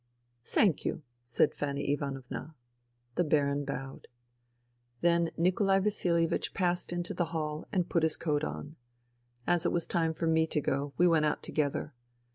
" Thank you," said Fanny Ivanovna. The Baron bowed. Then Nikolai VasiHevich passed into the hall and put his coat on. As it was time for me to go, we went out together.